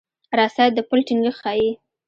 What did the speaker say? رسۍ د پل ټینګښت ښيي.